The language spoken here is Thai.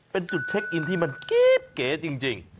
เป็นจุดเช็คอินที่มันเก๋จริง